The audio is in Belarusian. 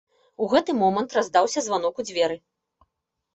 У гэты момант раздаўся званок у дзверы.